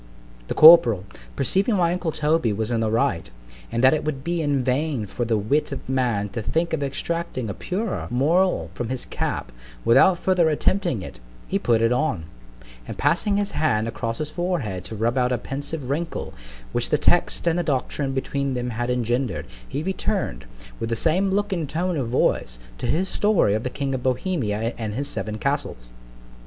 The corporal, perceiving my uncle Toby was in the right, and that it would be in vain for the wit of man to think of extracting a purer moral from his cap, without further attempting it, he put it on; and passing his hand across his forehead to rub out a pensive wrinkle, which the text and the doctrine between them had engender'd, he return'd, with the same look and tone of voice, to his story of the king of Bohemia and his seven castles.